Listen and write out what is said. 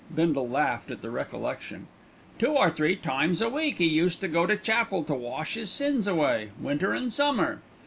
Bindle laughed at the recollection. "Two or three times a week 'e used to go to chapel to 'wash 'is sins away,' winter an' summer.